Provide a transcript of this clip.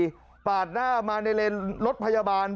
คุณผู้ชมครับไอ้หนุ่มพวกนี้มันนอนปาดรถพยาบาลครับ